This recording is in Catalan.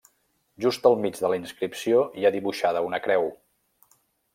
Just al mig de la inscripció hi ha dibuixada una creu.